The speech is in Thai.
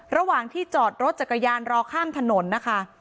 ระหว่างที่จอดรถจักรยานรอข้ามถนนนะคะ